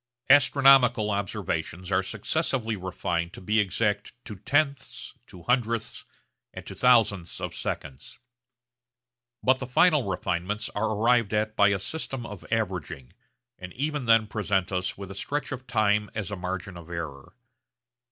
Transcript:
Astronomical observations are successively refined to be exact to tenths, to hundredths, and to thousandths of seconds. But the final refinements are arrived at by a system of averaging, and even then present us with a stretch of time as a margin of error.